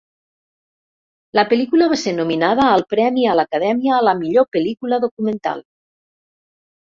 La pel·lícula va ser nominada al premi a l'Acadèmia a la millor pel·lícula documental.